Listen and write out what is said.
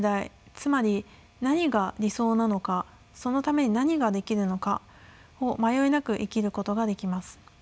つまり何が理想なのかそのために何ができるのかを迷いなく生きることができます。